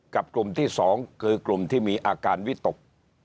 กลุ่มที่๒คือกลุ่มที่มีอาการวิตก